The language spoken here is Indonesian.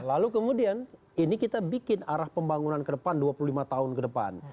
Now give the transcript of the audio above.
lalu kemudian ini kita bikin arah pembangunan ke depan dua puluh lima tahun ke depan